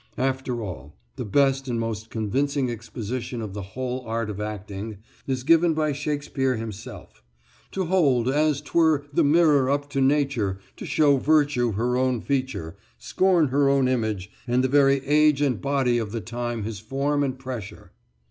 After all, the best and most convincing exposition of the whole art of acting is given by Shakespeare himself: "To hold, as 'twere, the mirror up to nature, to show virtue her own feature, scorn her own image, and the very age and body of the time his form and pressure."